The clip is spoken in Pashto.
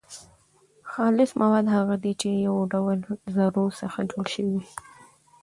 خالص مواد هغه دي چي له يو ډول ذرو څخه جوړ سوي وي.